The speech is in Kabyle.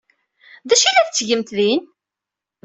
D acu ay la tettgemt din?